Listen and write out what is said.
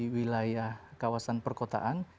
wilayah kawasan perkotaan